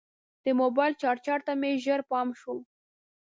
د موبایل چارجر ته مې ژر پام شو.